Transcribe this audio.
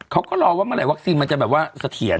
เขาก็รอว่าเมื่อไหวัคซีนมันจะแบบว่าเสถียร